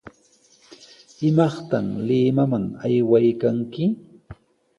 ¿Imaqta Limaman aywaykanki?